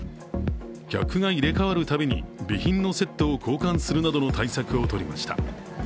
客が入れ代わるたびに備品のセットを交換するなどの対策を採りました。